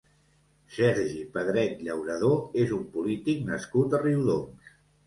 Sergi Pedret Llauradó és un polític nascut a Riudoms.